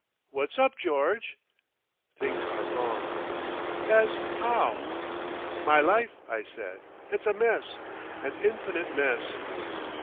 "What's up, George?" "Things are wrong." "As how?" "My life," I said, "it's a mess, an infinite mess."